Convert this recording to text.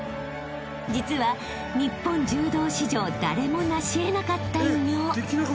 ［実は日本柔道史上誰も成し得なかった偉業］